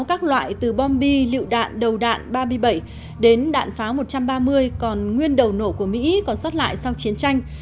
các loại từ bom bi lựu đạn đầu đạn ba mươi bảy đến đạn pháo một trăm ba mươi còn nguyên đầu nổ của mỹ còn sót lại sau chiến tranh